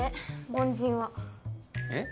凡人はえっ？